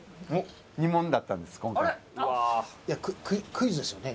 クイズですよね？